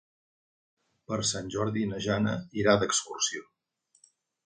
Per Sant Jordi na Jana irà d'excursió.